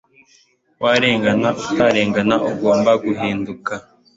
Warengana utarengana ugomba guhinduka